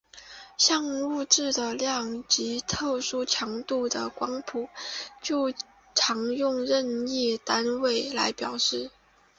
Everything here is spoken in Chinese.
像物质的量及特殊强度的光谱就常用任意单位来表示。